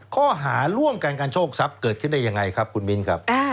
ข้อหาร่วมกันการโชคทรัพย์เกิดขึ้นได้ยังไงครับคุณมิ้นครับ